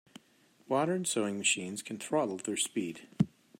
Modern sewing machines can throttle their speed.